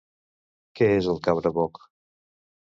Què és el cabraboc?